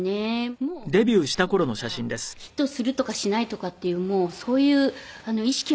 もうヒットとかヒットするとかしないとかっていうそういう意識はなくて。